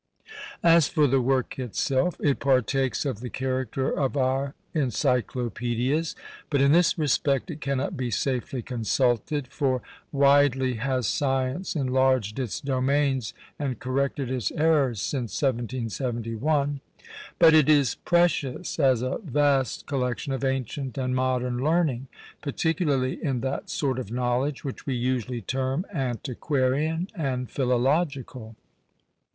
As for the work itself, it partakes of the character of our Encyclopædias; but in this respect it cannot be safely consulted, for widely has science enlarged its domains and corrected its errors since 1771. But it is precious as a vast collection of ancient and modern learning, particularly in that sort of knowledge which we usually term antiquarian and philological.